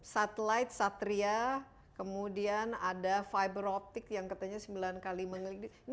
satellite satria kemudian ada fiber optic yang katanya sembilan kali mengeliling